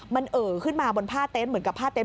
มันเอ่อขึ้นมาบนผ้าเต็นต์เหมือนกับผ้าเต็